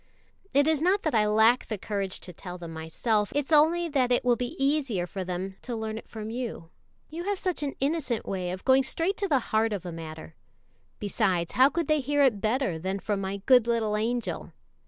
It is not that I lack the courage to tell them myself, it's only that it will be easier for them to learn it from you, you have such an innocent way of going straight to the heart of a matter. Besides, how could they hear it better than from my good little angel?"